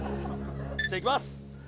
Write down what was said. じゃあいきます